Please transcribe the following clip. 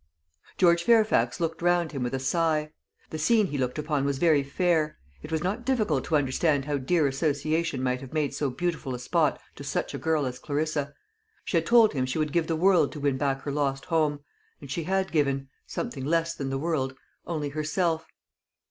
George Fairfax looked round him with a sigh. The scene he looked upon was very fair. It was not difficult to understand how dear association might have made so beautiful a spot to such a girl as Clarissa. She had told him she would give the world to win back her lost home; and she had given something less than the world only herself.